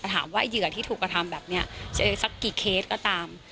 ถามว่าเหยื่อที่ถูกกระทำแบบนี้จะสักกี่เคสก็ตาม